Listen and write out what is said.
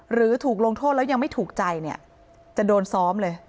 หรือถูกลงโทษแล้วยังไม่ถูกใจเนี่ยจะโดนซ้อมเลย